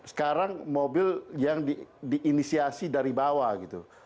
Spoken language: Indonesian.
sekarang mobil yang diinisiasi dari bawah gitu